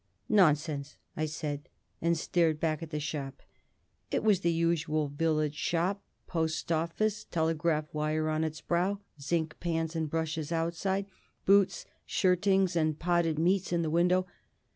"Nonsense!" I said, and stared back at the shop. It was the usual village shop, post office, telegraph wire on its brow, zinc pans and brushes outside, boots, shirtings, and potted meats in the window.